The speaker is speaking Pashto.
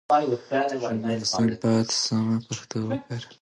ژورنالیستان باید سمه پښتو وکاروي.